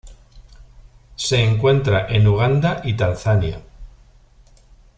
Se encuentra en Uganda y Tanzania.